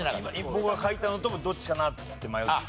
僕が書いたのとどっちかなって迷って。